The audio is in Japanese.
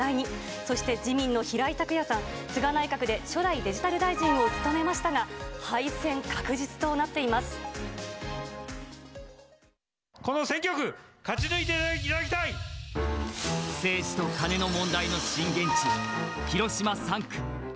そして、自民の平井卓也さん、菅内閣で初代デジタル大臣を務めましたが、敗戦確実となっていまこの選挙区、勝ち抜いていた政治とカネの問題の震源地、広島３区。